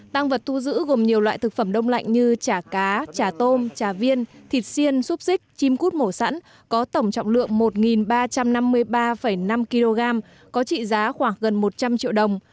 tăng vật thu giữ gồm nhiều loại thực phẩm đông lạnh như chả cá trà tôm trà viên thịt siên xúc xích chim cút mỏ sẵn có tổng trọng lượng một ba trăm năm mươi ba năm kg có trị giá khoảng gần một trăm linh triệu đồng